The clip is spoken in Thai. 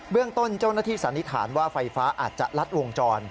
เรื่องต้นเจ้าหน้าที่สันนิษฐานว่าไฟฟ้าอาจจะลัดวงจร